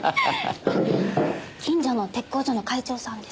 近所の鉄工所の会長さんです。